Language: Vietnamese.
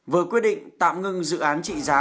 vừa quyết định tạm ngưng dự án trị giá